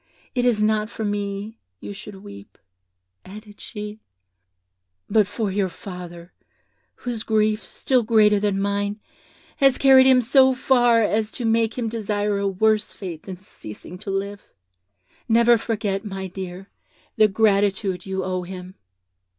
It is not for me you should weep,' added she, 'but for your father, whose grief, still greater than mine, has carried him so far as to make him desire a worse fate than ceasing to live. Never forget, my dear, the gratitude you owe him.'